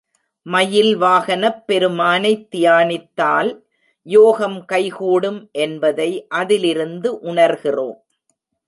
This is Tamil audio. மயில் வாகனப் பெருமானைத்தியானித்தால் யோகம் கைகூடும் என்பதைஅதிலிருந்து உணர்கிறோம்.